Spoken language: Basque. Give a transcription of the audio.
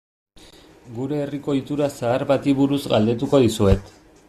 Gure herriko ohitura zahar bati buruz galdetuko dizuet.